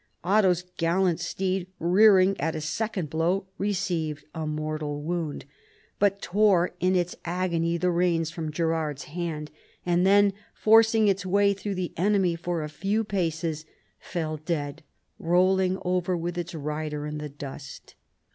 Otto's gallant steed, rearing at a second blow, received a mortal wound, but tore in its agony the reins from Gerard's hand, and then forcing its way through the enemy for a few paces, fell dead, rolling over with its rider in the dust.